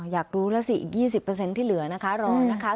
อยากดูแล้วสิอีก๒๐เปอร์เซ็นต์ที่เหลือนะคะรอนะคะ